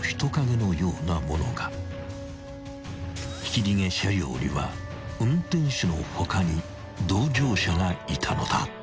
［ひき逃げ車両には運転手の他に同乗者がいたのだ］